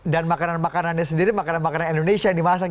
dan makanan makanannya sendiri makanan makanan indonesia yang dimasang